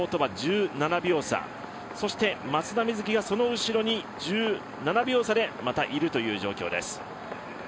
先頭とは１７秒差、そして松田瑞生がその後ろで１７秒差でまたいるという状況です。